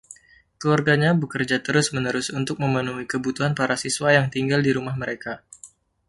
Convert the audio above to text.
Keluarganya bekerja terus-menerus untuk memenuhi kebutuhan para siswa yang tinggal di rumah mereka.